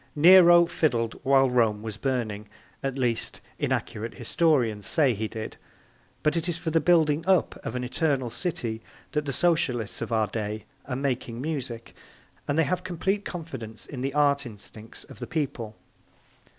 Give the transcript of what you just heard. Nero fiddled while Rome was burning at least, inaccurate historians say he did; but it is for the building up of an eternal city that the Socialists of our day are making music, and they have complete confidence in the art instincts of the people.